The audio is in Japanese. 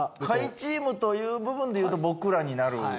下位チームという部分でいうと僕らになる。